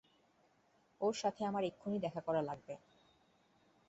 ওর সাথে আমার এক্ষুনি দেখা করা লাগবে।